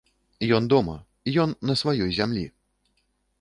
Ён дома, ён на сваёй зямлі!